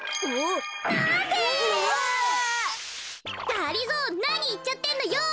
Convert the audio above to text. がりぞーなにいっちゃってんのよ。